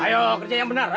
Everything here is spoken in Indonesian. ayo kerja yang benar